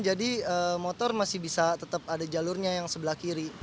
jadi motor masih bisa tetap ada jalurnya yang sebelah kiri